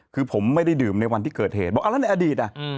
คือผมไม่ได้ดื่มในวันที่เกิดเหตุบอกแล้วในอดีตอ่ะ